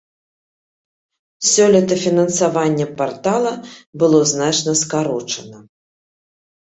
Сёлета фінансаванне партала было значна скарочана.